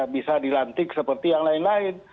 bisa dilantik seperti yang lain lain